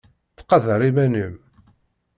Ttqadar iman-im!